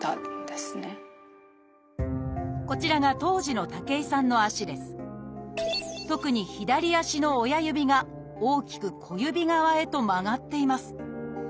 こちらが当時の特に左足の親指が大きく小指側へと曲がっています。